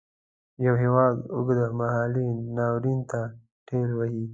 یو هیواد اوږد مهالي ناورین ته ټېل وهي.